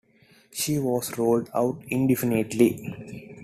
She was ruled out indefinitely.